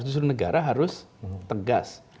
justru negara harus tegas